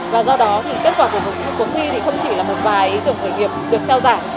và do đó thì kết quả của cuộc thi thì không chỉ là một vài ý tưởng khởi nghiệp được trao giải